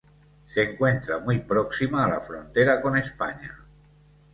Se encuentra muy próxima a la frontera con España